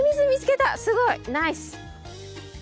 すごい！ナイス！